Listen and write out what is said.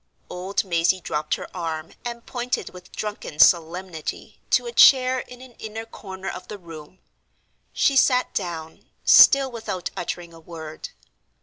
Old Mazey dropped her arm, and pointed with drunken solemnity to a chair in an inner corner of the room. She sat down, still without uttering a word.